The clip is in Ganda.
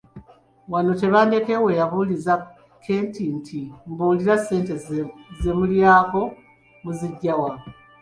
Wano Tebandeke we yabuuliza Keeti nti, “Mbuulira, ssente ze mulyako muziggya wa?''